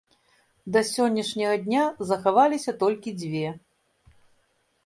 Да сённяшняга дня захаваліся толькі дзве.